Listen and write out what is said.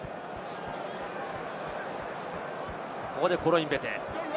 ここでコロインベテ。